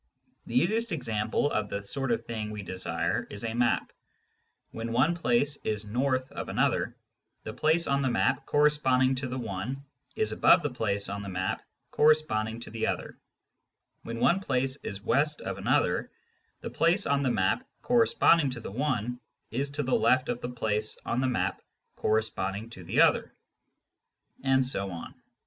The easiest example of the sort of thing we desire is a map. When one place is north of another, the place on the map corresponding to the one is above the place on the map corresponding to the other ; when one place is west of another, the place on the map corresponding to the one is to the left of the place on the map corresponding to the other ; and so on.